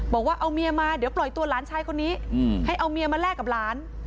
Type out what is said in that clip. บอกว่าเอาเมียมาเดี๋ยวปล่อยตัวหลานชายคนนี้ให้เอาเมียมาแลกกับหลาน